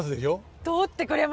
通ってくれました。